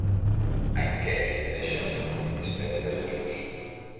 En què divideixen el ministeri de Jesús?